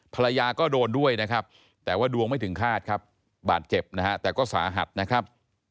ภรรยาก็โดนด้วยนะครับแต่ว่าดวงไม่ถึงคาดครับบาดเจ็บนะฮะแต่ก็สาหัสนะครับ